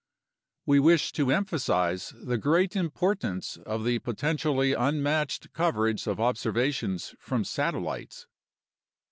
We wish to emphasize the great importance of the potentially un matched coverage of observations from satellites.